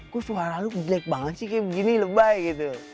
kok suara lu jelek banget sih kayak begini lebay gitu